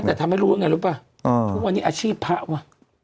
แต่ทำให้รู้ว่าไงรู้ป่ะทุกวันนี้อาชีพพระว่ะ